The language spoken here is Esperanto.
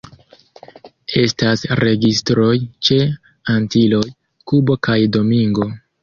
Estas registroj ĉe Antiloj, Kubo kaj Domingo.